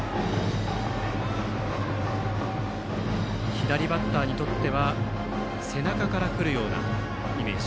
左バッターにとっては背中から来るようなイメージ。